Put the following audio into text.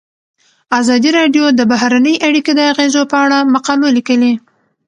ازادي راډیو د بهرنۍ اړیکې د اغیزو په اړه مقالو لیکلي.